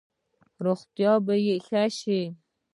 روغتیا به ښه شي؟